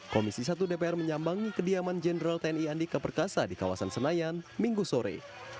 komisi satu dpr menyambangi kediaman jenderal tni andika perkasa di kawasan senayan minggu sore